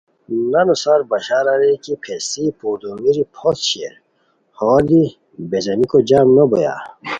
نانو سار بشار اریر کی پھیستی پردومیری پھوست شیر ہو دی بیزیمیکو جم نو بویا